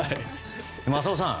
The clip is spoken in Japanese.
浅尾さん